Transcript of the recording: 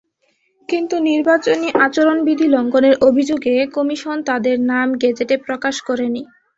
কিন্তু নির্বাচনী আচরণবিধি লঙ্ঘনের অভিযোগে কমিশন তাঁদের নাম গেজেটে প্রকাশ করেনি।